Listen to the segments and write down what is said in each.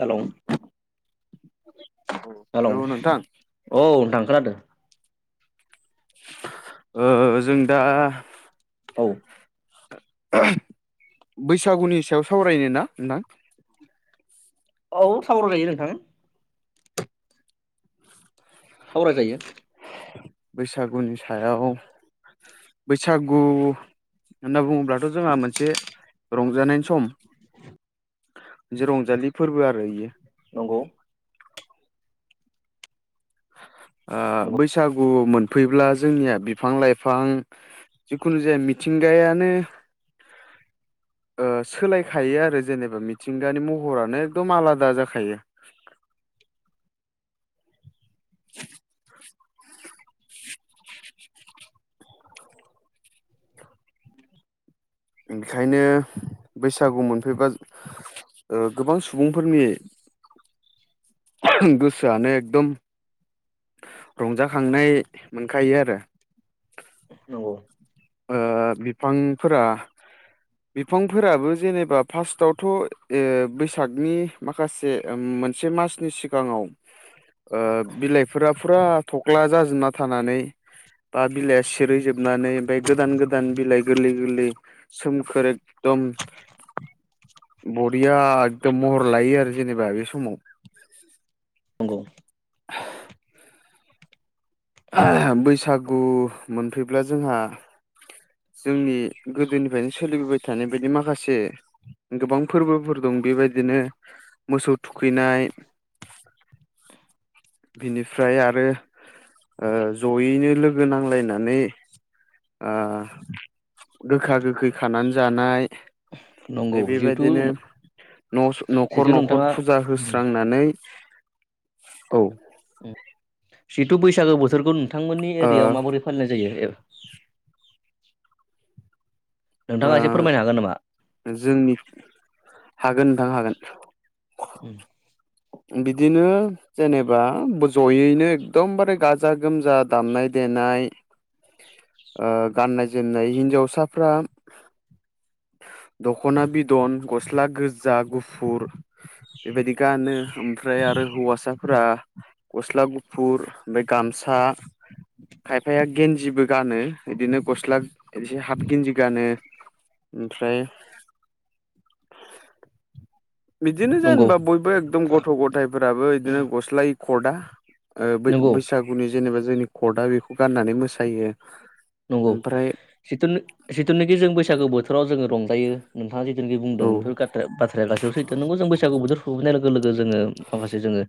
हेल' हेल' औ हेलौ नोंथां नोंथां खोनादों। ओ जों दा औ। बैसागुनि सायाव सावरायनो ना नोंथां? औ सावराय जायो नोंथां। सावराय जायो। बैसागुनि सायाव बैसागु होनना बुङोब्लाथ' जोंहा मोनसे रंजानायनि सम। [inaudible] रंजालि फोरबो आरो इयो नंगौ ओ नंगौ बैसागु मोनफैब्ला जोंनिया बिफां लाइफां जिखुनु जाया मिथिंगायानो ओ सोलायखायो आरो जेनेबा मिथिंगानि महरानो एखदम आलादा जाखायो [inaudible] ओंखायनो बैसागु मोनफैबा ओ गोबां सुबुंफोरनि गोसोआनो एकदम रंजाखांनाय मोनखायो आरो नंगौ ओ बिफांफोरा बिफांफोराबो जेनेबा फार्स्टआवथ' ओ बैसागनि माखासे ओम मोनसे मासनि सिगाङाव ओ बिलाइफोरा फुरा थख्ला जाजोबना थानानै बा बिलाइया सिरिजोबनानै ओमफ्राय गोदान गोदान बिलाइ गोरलै गोरलै सोमखोर एकदम बरिया एकदम महर लायो आरो जेनेबा बे समाव नंगौ [inaudible] बैसागु मोनफैब्ला जोंहा जोंनि गोदोनिफ्रायनो सोलिबोबाय थानाय बायदि माखासे गोबां फोरबोफोर दं बेबायदिनो मोसौ थुखैनाय बिनिफ्राय आरो ओ जयैनो लोगो नांलायनानै ओ गोखा गोखै खानानै जानाय नंगौ जिहेथु ओबेबायदिनो नस न'खर जिहेथु न'खर नोंथाङा फुजा होस्रांनानै औ जिथु बैसागो बोथोरखौ नोंथांमोननि एरियायाव माबोरै फालिनाय जायो नोंथाङा ओ एसे फोरमायनो हागोन नामा जोंनि हागोन नोंथां हागोन उम बिदिनो जेनेबा जयैनो एकदमबारे गाजा गोमजा दामनाय देनाय ओ गाननाय जोमनाय हिन्जावसाफ्रा दखना बिदन, गस्ला गोजा, गुफुर बेबादि गानो ओमफ्राय आरो हौवासाफोरा गस्ला गुफुर ओमफ्राय गामसा खायफाया गेन्जिबो गानो बिदिनो गस्ला एसे हाफ गेन्जि गानो ओमफ्राय बिदिनो नंगौ जेनबा बयबो एकदम गथ' गथायफोराबो बिदिनो गस्लाय ओय खदा ओ बो नंगौ बैसागुनि जेनेबा जोंनि कर्टआ बेखौ गाननानै मोसायो। नंगौ ओमफ्राय सिथुनि सिथुनोखि जों बैसागो बोथोराव जोङो रंजायो। नोंथाङा जिथुनिखि बुंदों औ बेफोर गाथ्रा बाथ्राया गासैबो सैथो नोंगौ जों बैसागु बथोर सहैनाय लोगो लोगो जोङो माखासे जोङो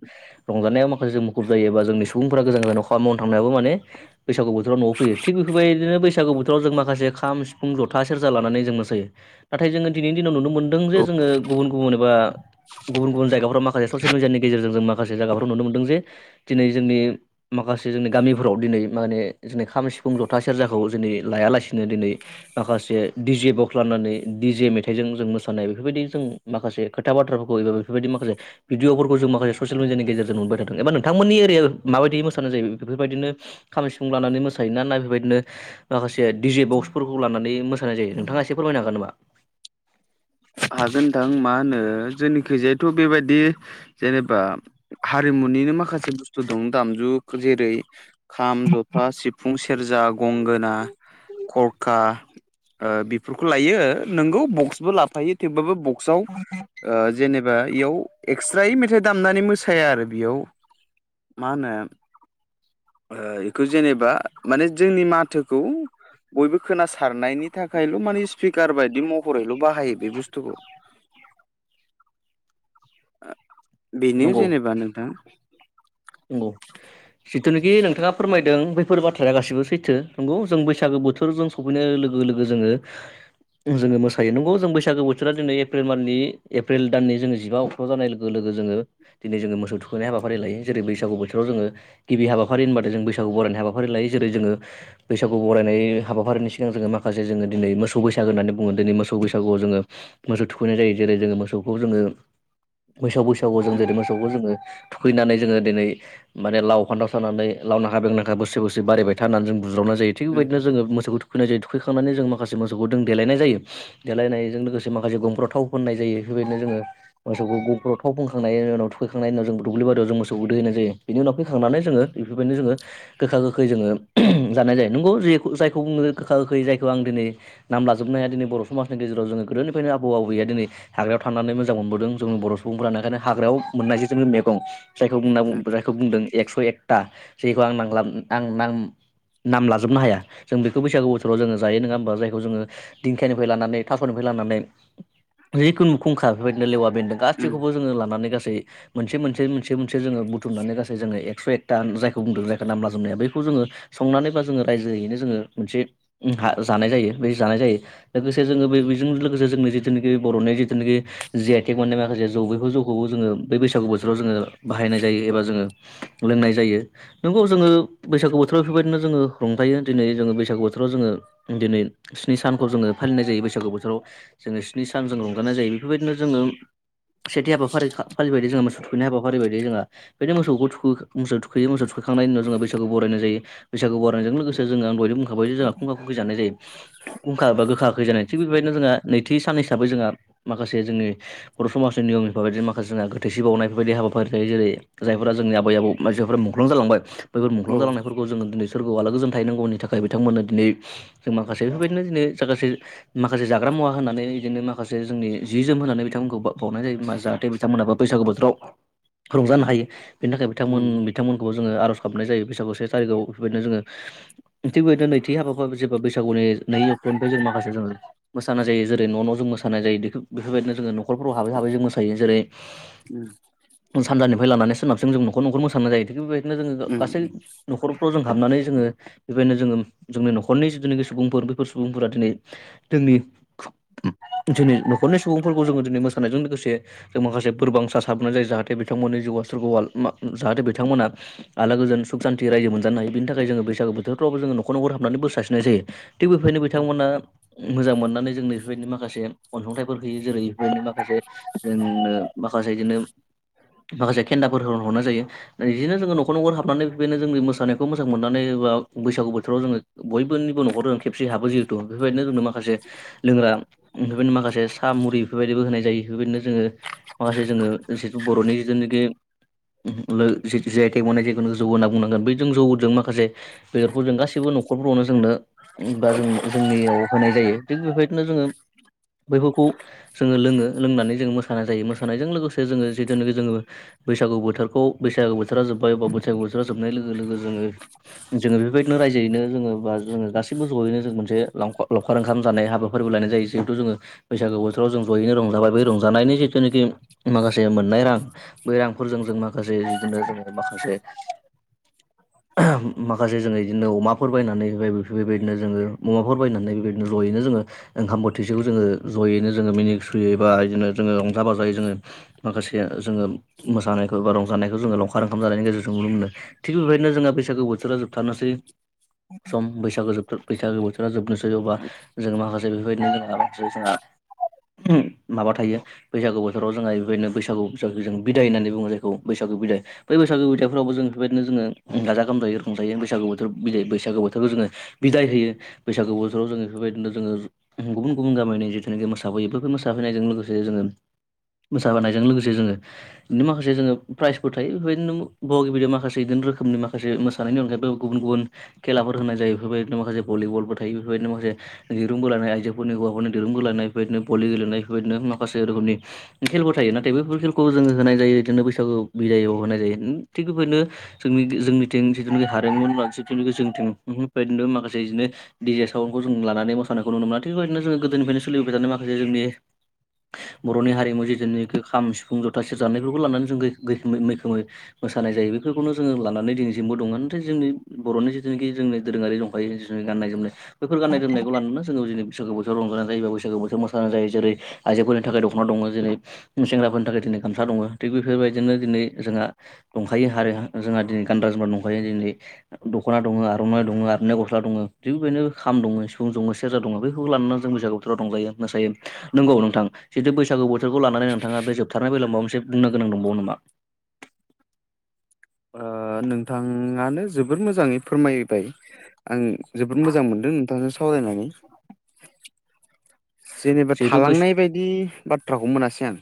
रंजानायाव माखासे जों मु खुब जायो एबा जोंनि सुबुंफोरा गोजान जानायाव खामानि मावनो थांनायाबो माने बैसागु बोथोराव न'आव फैयो थिग बे बेबायदिनो बैसागु बोथोराव जों माखासे खाम, सि फुं, जथा, सेरजा लानानै जों मोसायो नाथाय जोङो दिनैनि दिनाव नुनो मोनदों जे औ जोङो गुबुन गुबुन एबा गुबुन गुबुन जायगाफोराव माखासे ससियेल मिडियानि गेजेरजों जों माखासे जायगाफ्राव नुनो मोनदों जे दिनै जोंनि माखासे जोंनि गामिफोराव दिनै माने जोंनि खामा, सि फुं, जथा, सेरजाखौ दिनै लायालासिनो दिनै माखासे डि जे बक्स लानानै डि जे मेथाइजों जों मोसानाय बेफोरबायदि जों माखासे खोथा बाथ्राफोरखौ एबा बेफोरबायदि माखासे भिडिअफोरखौ जों माखासे ससियेल मिडियानि गेजेरजों नुबोबाय थादों एबा नोंथांमोननि एरियायाव माबायदि मोसानाय जायो बेफोरबायदिनो खामि, सिफुं लानानै मोसायोना ना बेबायदिनो माखासे दिडिजे बक्सफोरखौ लानानै मोसानाय जायो नोंथाङा एसे फोरमायनो हागोन नामा? हागोन नोंथां मा होनो जोंनिखैजायाथ' बेबायदि जेनेबा हारिमुनिनो माखासे बुस्थु दं दामजु जेरै- खाम, जथा, सिफुं, सेरजा, गंगोना, थरखा, बेफोरखौ लायो नोंगौ बक्सबो लाफायो थेवबाबो बक्सआव जेनेब एा इयाव एक्सट्रायै मेथाइ दामनानै मोसाया आरो बेयाव मा होनो बेखौ जेनेबा माने जोंनि माथोखौ बयबो खोनासारनायनि थाखायल' माने स्पिकार बायदि महरैल' बाहायो बे बुस्थुखौ। बेनो नंगौ जेनेबा नोंथां। नंगौ जिथुनिखि नोंथाङा फोरमायदों बे बेफोर बाथ्राया गासिबो सैथो नंगौ जों बैसागो बोथोरजों सफैनाय लोगो लोगो जोङो जोङो मोसायो नंगौ जों बैसागो बोथोरा जोंनि एप्रिल माननि एप्रिल दाननि जोङो जिबाव फाव जानाय लोगो लोगो जोङो दिनै जोङोस थुखैनाय हाबाफारि लायो। जेरै बैसागुोोरावोङो गिबि हाबाफारि होनबाथाय जों बैसागु बरायनाय हाबाफारि लायो जेरै जोङो बैसागु बरायनाय हाबाफारिनि सिगां जोङो माखासे जोङो दिनै मोसौ बैसाग होननानै बुङो दिनै मोसौ बैसागुआव जोङो मोसौ थुखैनाय जायो जेरै जोङो मोसौखौ जोङो बैसाग बैस उम जेरै मो ज थुैनानै जोङो दिनै माने लाव फान्दाव सारानानै लाव नांखा बेंनाांखा बोस बोसोर बारायबाय था होननानै जों बुज्रावनाय जायो। थिग बेबायदिनो उम जोङो मोसखौ थुखैनायायो थुखैखांनानै जों माखा मोसौखौ जों देलनाय जायो। देलायनायजों लोगोसे माखासे गंफ्रोराव थाव फोननाय जायो बेबायदिनो जोङो मोसौखौ गाव थाव बुंखांनायनि उनाव थखैखांनायनि उनाव दग्लिारियाव जों मोसौ सौ गोदो होनाय जायो बेनि उनाव फैखांनानै जोङो बेफोरबायदिनो जोङो गोखा गोखै जोङो जानाय जायो नंगौ जे जायखौ बुङो गोखा गोखै जायखौ आं दिनै नाम लाजोबनाया दिनै बर' समाजनि गेजेराव जोङो गोदोनिफ्रायनो आबौ-आबौैया दिनै हाग्रायाव थनानै मोजां मोनबोदों जोंनि बर' सुबुंफोरा ओंखायनो हाग्रायाव मोननायसै जोंनि मैगं जायखौ बुंना उम जायखौ बुंदों एक्स' एकथा जायखौ आं नांला आं नां नाम लाजोबनो हाया जों बेखौ बैसागु बोथोराव जोङो जायो नङा होमबा? जायखौ जोङो दिंखिनिफ्राय लानानै थास'निफ्राय लानानै जिखुनु खुंखा बेफोरबायदिनो लेवा बेन्दों उम गासैखौबो जोङो लानानै गासै मोनसे मोनसे मोन मोनसे मोनसे जोङो बुथुमनानै गासै जोङो एक्स एकथटा जायखौ बुंदों जायखौ नामला जोमनाया बेखौ जोङो संनानै बा जोङो रायजोयैनो जोङो मोनसे जानाय जायो बे जानाय जायो। लोगोसे जोङो बे बेजों लोगोसे जोंनि जिथुनाखि बर'नि जिथुनिखि जि आइटेक मोननाय माखासे जौ बेफोर जौखौबो जोङो बै बैसागु बोसोराव जोङो। बाहायनाय जायो एबा जोङो लोंनाय जायो। नंगौ जोङो बैसागु बोथोराव बेफोरबायदिनो जोङो रंजायो दिनै जोङो बैसागु बोथोराव जोङो। दिनै स्नि सानखौ जोङो फालिनाय जायो जोङो बैसागु बोथोराव जोङो स्नि सान जों रंजानाय जायो बेफोरबायदिनो जोङो सेथि हाबाफारि फालि बायदि जोङो सुथखै हाबाफ फारि बदि जोंहा बेबायदि मोसौखौ मोसौ थुखैयो मोस थुखांनायनि उनावो बैसागु बरायनाय जायो। बैसागु बरारनायजों लोगोसे जोङो आं बयबो बुंखाबाय जोंहा खुंखा खुखै जानाय जायो खुंखा एबा गोखा गोखै जानाय जायो। थिग बेबायदिनो जोंहा नैथि सान हिसाबै जोंहा माखासे जोंनि। बर' समाजनि नियमनिफोराददि माखासे जों गो थैसि बावनायफोरबायदि हाबा। जायो जेरै जायफोरा जोंनि आबै आबौ मानसिफोरा मुंख्लं जालांबाय बफोर मुंख्लं औ जालांनायफोर जोङो दिनै सोरगोआव आलाो गोजोन थैनांगौनि थाखाय बिथांमोननो दिनै जों माखासे बेफोरबायदिनो दिनै जाखासे। माखासे जाग्रा मुवा होननानै बिदिनो माखासे जोंनि जि जोम होनानै बिथांमोनखौ ब बावउनाय जायो जाहाथे। बिथांमोनाबो बैसागु बोथोराव रंजानो हायो बेनि थाखाय बिथांमोन। उम बिथांमोनखौ जोङो आर'ज गाबनाय जायो बैसागु से थारिखआव बेफोर बायदिनो जोङो। थिग बेबायदिनो नैथि हाबाफफोर जेबा बैसागुनि नै अक्ट'निफ्राय जों माखासे ज मोसानाय जायो जेरै न' न' जों मोसानाय जायो बेफोरबायदिनो जोङो न'खरफ्राव हाबै हाबै जों मोसायो जेरै उम। जों सानजानिफ्राय लानानै सोनाबजों जों नखर न'खर मोसानाय जायो थिग बेबायदिनो जोङो उम गासै उम न'खरफ्राव जों हाबनानै जोङो बेबायदिनो जोङो जोंनि न'खरनि जिथुनाखि सुबुंफोर बैफोर सुबुंफोरा दिनै जोंनि जोंनि न'खरनि सुबुंफोरखौ जोङो दिनै मोसानायजों लोगोसे जों माखासे बोरबांसा साबनाय जायो जाहाथे बिथांमोननि जिउआ सोरगा जाहाथे बिथांमोना आला गोजोनु सुख सान्थि रायजो मोनजानो हायो बिनि थाखाय जो बैसागु बोथोरफ्रावबो जोङो नखर'खर हाबनानै बो सारसिनाय जायो। थिग बेफायनो बिथांमोना मोजां मोननानै जोंनो बेफोरबायदिनो माखासे अनसुंथाइफोर होैयो। जेरै बेफोरबायदिनो माखासे जोंनो माखासे बिदिनो माखासे खेन्दाफोर होन हरनाय जायो। बिदिनो जोङो न'खर न'खर हाबनानै बेदिनो जोंनि मोसानायखौ मोजां मोननानै बा बैसागु बोथोराव जोङो बयबोनिबो न'खर खेबसे हाबो जिहेथु बेफोरबायदिनो जोंनो माखासे लोंग्रा बेबायनो माखासे साहा मुरि बेफोरबायदिबो होनाय जायो। बेबायदिनो जोङो माखासे जोङो जिथु बर'नि जिथुनाखि जायथाइ बनाय जेखौ जौ होनना बुंनांगोन बै जों जौजों माखासे बेदरखौ जों गासैबो न'खरफ्रावनो जोंनो बा जों जोंनियाव होनाय जायो। थिग बेबायदिनो जोङो बैफोरखौ जोङो लोङो लोंनानै जोङो मोसानाय जायो। मोसानायजों लोगोसे जोङो जिथुनाखि जोङो बैसागु बोथोरखौ बैसागु बोथोरा जोब्बाय बा बैसागु बोथोरा जोबनाय लोगो लोगो जोङो जोङो बेबायदिनो रायजोयैनो जोङो बा जो गासिबो जयैनो जोंङो मोनसे लंफ' लंफ आरो ओंखाम जानाय हाबाफोरबो लानाय जायो। जिहेथु जोङो बैसागु बोथोराव जयैनो रंजाबायबो रं जानायनि जिथुनिखि मा से मोननाय रां बै रांफोरजों जों माखासे बिदिनो जोङो माखासे ओहो माखासे जोङो बिदिनो अमा अमाफोर बायनानै बेबायदिनो जोङो अमाफोर बायनानै बेबायदिनो जयैनो जोङो ओंखाम बोथिसेखौ जोङो ज'यैनो जोङो मिनि सुयै बा बिदिनो जोङो रंजा बाजायै जोङो माखासे जोङो मोसानायखौ बा रंजानायखौ जोङो लाउखार ओंखाम जानायनि गेजेरजों नुनो मोनो। थिग बेबायदिनो जोंहा बैसागु बोथोरा जोबथारनोसै सम बैसागु जोबथार बैसागो बोथोरा जोबनोसै अबा जों माखासे बेफोरबायदिनो जों माखासे जोंहा ओहोम माबा थायो बैसागु बोथोराव जोंहा बेबायदिनो बैासागु जों बिदाय होननानै बुङो जायखौ बैसागु बिदाय बै बैसागु बिथाइफोरावबो बेबायदिनो जोङो गाजा गोमजायै रंजायो बैसागु बोथोर बिदाय बैसागो बोथोराव जोङो बिदाय होयो बैसागु बोसोराव जोङो बेफोरबायदिनो जोङो गुबुन-गुबुन गामिनि जिथुनिखि मोसाफैयो। बेफोर मोसाहैनायजों लोगोसे जोङो मोसाहोनायजों लोगोसे जोङो बिदिनो माखासे जोङो प्राइजफोर थायो। बेफोरबायदिनो बहागि बिदियाव माखसे बिदिनो रोखोमनि माखासे थानायनि अनगायैबो गुबुन - गुबुन खेलाफोर होनाय जायो बेफोरबायदिनो माखासे भलिबलफोर थायो बेफोरबायदिनो माखासे दिरुं बोलानाय आइजोफोरनि हौवाफोरनि दिरुं बोलानाय बेफोरदिनो भलि गेलेनाय बेफोरबायदिनो माखासे रोखोमनि खेलफोर थायो। नाथाय बैफोर खेलखौ जोङो होनाय जायो बिदिनो बैसागु बिदायआव होनाय जायो। थिग बेफोरदिनो जोंनि जोंनिथिं जिथुनेखि हारिमु जोंथिं गुबुन बायदिनो माखासे बिदिनो दिजे सावउनखौ जों लानानै मोसानायखौ नुनो मोना थिग बेबायदिनो जो गोदोनिफ्रायनो सोलिबाय थानाय माखासे जोंनि बर'नि हारिमु जिथुनिखि खाम सिफुं जथा, सेेरजा बिफोरखौ लानानै जों मै-मैखोमै मोसानाय जायो बेफोरखौनो जोङो लानानै दिनैसिमबो दङ। नाथाय जोंनि बर'नि जिथुनिखि जोंनि दोरोङारि रं बायदि [unintelligible] गाननाय जोमनाय बेफोर गाननाय जोमनायखौ लानानानै जोङो बिदिनो बैसागो बोथोराव रंजानाय जायो बा बैसागो बोथोराव मोसानाय जायो। जेरै आइजोफोरनि थाखाय दख'ना दङ। जेरै सेंग्राफोरनि थाखाय दिनै गामसा दङ थिग बेफोरबायदिनो दिनै जोंहा दंखायो हारिहा जोंहा दिनै गानग्रा जोमग्रा दंखायो दिनै दख'ना दङ, आर'नाइ दङ, आर'नाइ गस्ला दङ थिग बेबायदिनो खाम दङ, सिफुं दङ, सेरजा दङ। बेखौ लानानै जों बैसागु रंजायो मोसायो। नंगौ नोंथां जिथु बैसागु बेखौ लानानै नोंथाङा बे जोबथारनाय बेलायाव माबा मोनसे बुंनो गोनांं दंबावो नामा? ओ नोंथाङानो जोबोर मोजाङै फोरमायबाय आं जोबोद मोजां मोनदों नोंथांजों सावरायनानै। जेनेबा जिहेथु बै थालांनाय बायदि बाथ्राखौ मोनासै आं।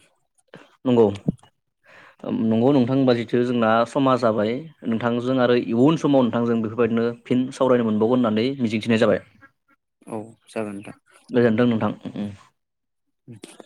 नंगौ नंगौ नोंथांबा जिथु जोंना समा जाबाय। नोंथांजों आरो इयुन समाव नोंथांजों बेफोरबायदिनो फिन सावरायनो मोनबावगोन होननानै मिजिंथिनाय जाबाय। औ जागोन नोंथां। गोजोन्थों नोंथां। [unintelligible]